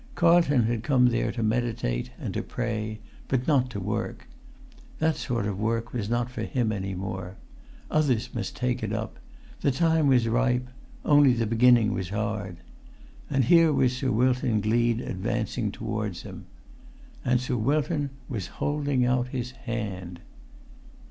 Carlton had come there to meditate and to pray, but not to work. That sort of work was not for him any more. Others must take it up; the time was ripe; only the beginning was hard. And here was Sir Wilton Gleed advancing towards him. And Sir Wilton was holding out his hand.